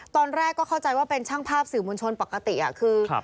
ตอนแรกครับเข้าใจว่าเป็นช่างภาพสิรุมวัญชนปกติอะคือ